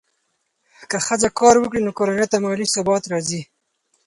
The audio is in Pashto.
که ښځه کار وکړي، نو کورنۍ ته مالي ثبات راځي.